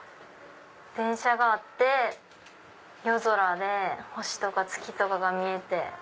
電車があって夜空で星とか月とかが見えて。